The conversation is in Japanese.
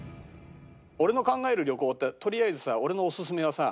俺の考える旅行ってとりあえずさ俺のオススメはさ